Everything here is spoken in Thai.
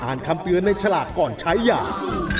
อ่านคำเตือนในฉลากก่อนใช้อย่าง